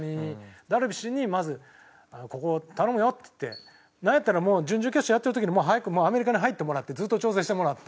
ダルビッシュにまず「ここ頼むよ」っつってなんやったら準々決勝やってる時に早くアメリカに入ってもらってずっと調整してもらって。